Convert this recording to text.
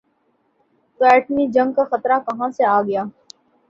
تو ایٹمی جنگ کا خطرہ کہاں سے آ گیا؟